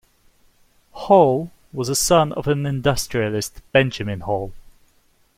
Hall was a son of an industrialist Benjamin Hall.